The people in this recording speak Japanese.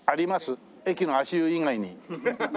駅の足湯以外に。